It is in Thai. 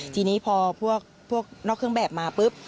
ทีนี้พอพวกนอกเครื่องแบบมาปุ๊บ